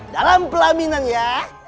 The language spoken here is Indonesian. dalam pelaminan ya